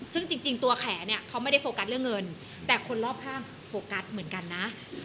ซึ่งจริงตัวแขเนี่ยเขาไม่ได้โฟกัสเรื่องเงินแต่คนรอบข้างโฟกัสเหมือนกันนะ